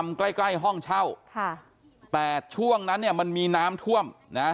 ท่วมตำใกล้ห้องเช่าแต่ช่วงนั้นมันมีน้ำท่วม